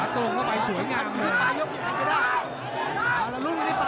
ต้องมุงมาเยอะเลยอ่ะ